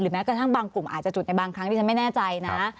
แม้กระทั่งบางกลุ่มอาจจะจุดในบางครั้งที่ฉันไม่แน่ใจนะ